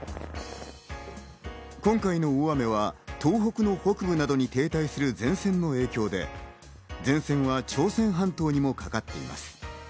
今回の大雨は東北の北部などに停滞する前線の影響で前線は朝鮮半島にもかかっています。